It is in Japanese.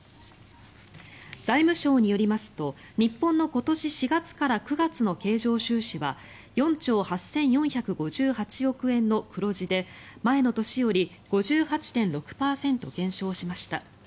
財務省によりますと日本の今年４月から９月の経常収支は４兆８４５８億円の黒字で前の年より５８．６％減少しました。